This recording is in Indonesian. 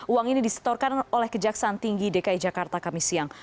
uang ini disetorkan oleh kejaksaan tinggi dki jakarta kami siang